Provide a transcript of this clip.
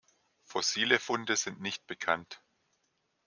Fossile Funde sind nicht bekannt.